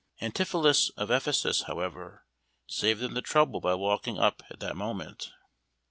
Antipholus of Ephesus, however, saved them the trouble by walking up at that moment.